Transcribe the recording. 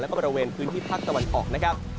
แล้วก็บริเวณพื้นที่ภาคตะวันออกนะครับ